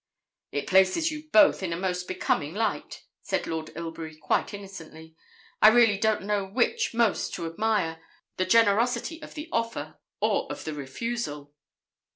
'It places you both in a most becoming light,' said Lord Ilbury, quite innocently. 'I really don't know which most to admire the generosity of the offer or of the refusal.'